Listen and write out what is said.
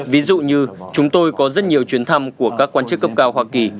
ví dụ như chúng tôi có rất nhiều chuyến thăm của các quan chức cấp cao hoa kỳ